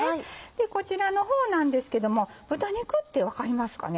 こちらの方なんですけども豚肉って分かりますかね？